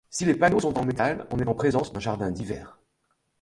Si les panneaux sont en métal, on est en présence d'un jardin d'hiver.